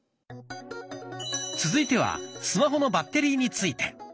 続いてはスマホのバッテリーについて。